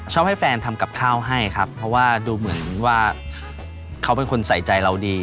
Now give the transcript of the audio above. ให้แฟนทำกับข้าวให้ครับเพราะว่าดูเหมือนว่าเขาเป็นคนใส่ใจเราดี